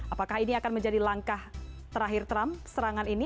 apakah ini akan menjadi langkah terakhir trump serangan ini